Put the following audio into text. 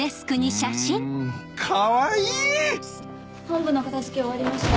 んかわいい！本部の片付け終わりました。